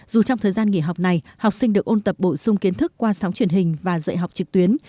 dù trong thời gian nghỉ học này học sinh được ôn tập bổ sung kiến thức qua sóng truyền hình và dạy học trực tuyến